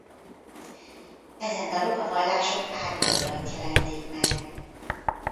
Ezen dalok a vallások árnyoldalait jelenítik meg.